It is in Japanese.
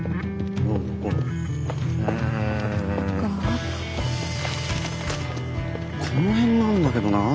うんこの辺なんだけどなあ。